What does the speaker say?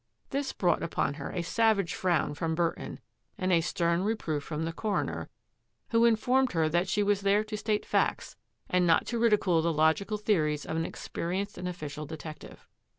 This brought upon her a savage frown from Burton and a stem reproof from the coroner, who informed her that she was there to state facts and not to ridicule the logical theories of an experienced and official detective.